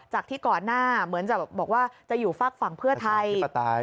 ที่ก่อนหน้าเหมือนจะบอกว่าจะอยู่ฝากฝั่งเพื่อไทย